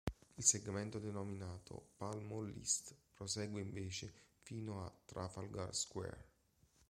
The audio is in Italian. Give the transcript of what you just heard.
Il segmento denominato Pall Mall East prosegue invece fino a Trafalgar Square.